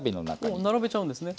もう並べちゃうんですね。